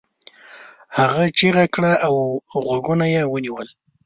هغه چیغه کړه او غوږونه یې ونيول.